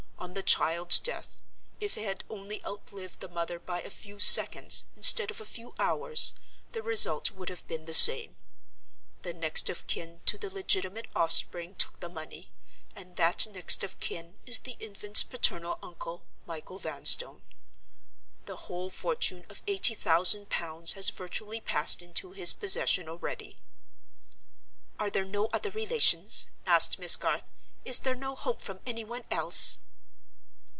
On the child's death—if it had only outlived the mother by a few seconds, instead of a few hours, the result would have been the same—the next of kin to the legitimate offspring took the money; and that next of kin is the infant's paternal uncle, Michael Vanstone. The whole fortune of eighty thousand pounds has virtually passed into his possession already." "Are there no other relations?" asked Miss Garth. "Is there no hope from any one else?"